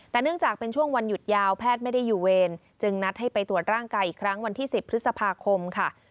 แต่เนื่องจากเป็นช่วงวันหยุดยาวแพทย์ไม่ได้อยู่เวรจึงนัดให้ไปตรวจร่างกายอีกครั้งวันที่๑๐พฤษภาคมค่ะ